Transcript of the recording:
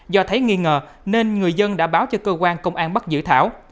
do thấy nghi ngờ nên người dân đã báo cho cơ quan công an bắt giữ thảo